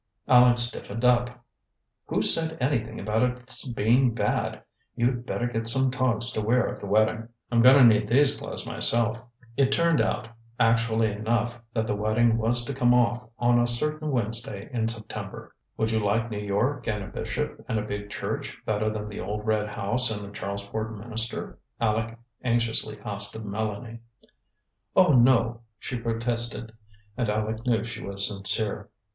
Aleck stiffened up. "Who said anything about its being bad? You'd better get some togs to wear at the wedding. I'm going to need these clothes myself." It turned out, actually enough, that the wedding was to come off on a certain Wednesday in September. "Would you like New York and a bishop and a big church better than the old red house and the Charlesport minister?" Aleck anxiously asked of Mélanie. "Oh, no," she protested; and Aleck knew she was sincere.